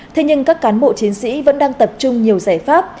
thế nhưng các cán bộ chiến sĩ vẫn đang tập trung nhiều giải pháp